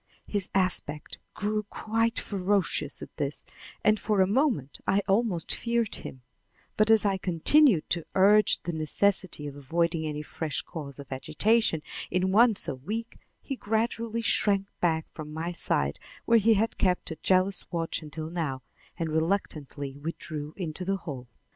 His aspect grew quite ferocious at this, and for a moment I almost feared him; but as I continued to urge the necessity of avoiding any fresh cause of agitation in one so weak, he gradually shrank back from my side where he had kept a jealous watch until now, and reluctantly withdrew into the hall.